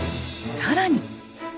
更に。